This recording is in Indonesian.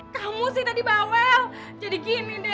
kamu sih dari bawel jadi gini deh